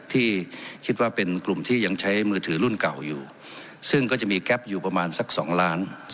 ที่คิดว่าเป็นกลุ่มที่ยังใช้มือถือรุ่นเก่าอยู่ซึ่งก็จะมีแก๊ปอยู่ประมาณสักสองล้าน